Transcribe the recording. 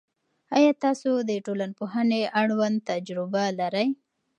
آیا تاسو د ټولنپوهنې اړوند تجربه لرئ؟